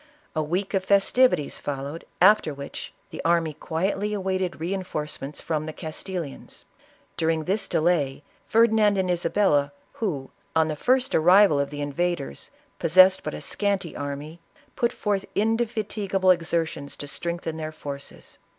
A week of festivities followed, after which the army quietly awaited reinforcements from the Castilians. During this delay, Ferdinand and Isa bella, who, on the first arrival of the invaders, possessed but a scanty army, put forth indefatigable exertions to strengthen their forces.